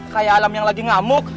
kayak alam yang lagi ngamuk